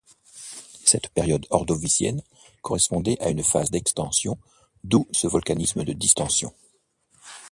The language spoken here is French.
Cette période ordovicienne correspondait à une phase d’extension, d’où ce volcanisme de distension.